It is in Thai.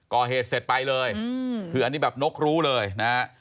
ก่อเหตุเสร็จไปเลยคืออันนี้แบบนกรู้เลยนะฮะ